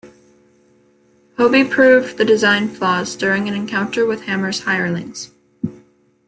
Hobie proved the designs flaws during an encounter with Hammer's hirelings.